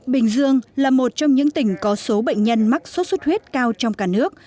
bình dương là một trong những tỉnh có số bệnh nhân mắc sốt xuất huyết cao trong cả nước